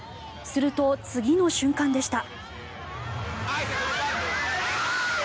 すると、次の瞬間でした。